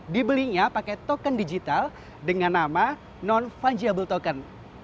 dibelinya pakai token digital dengan nama non fungible token